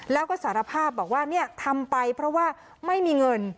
แล้วก็สารภาพบอกว่าเนี่ยทำไปเพราะว่าไม่มีเงิน